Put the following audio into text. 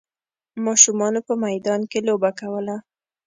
ماشومانو په میدان کې لوبه کوله.